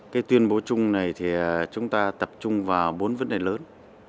cái tuyên bố chung này thì chúng ta tập trung vào bốn vấn đề lớn